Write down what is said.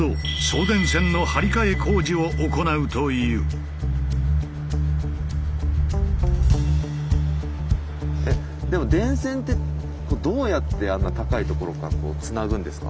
この日はちょうどでも電線ってどうやってあんな高いところからつなぐんですか？